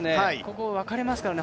ここ、分かれますからね。